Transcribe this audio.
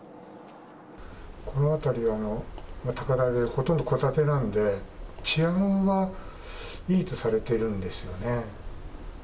この辺りは高台で、ほとんど戸建てなんで、治安はいいとされているんですよね。